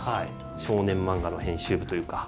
少年漫画の編集部というか。